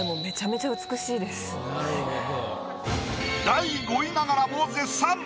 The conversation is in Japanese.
第５位ながらも絶賛！